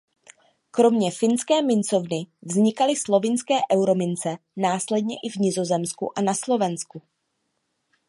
Kromě finské mincovny vznikaly slovinské euromince následně i v Nizozemsku a na Slovensku.